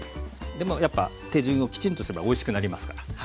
でもやっぱ手順をきちんとすればおいしくなりますから。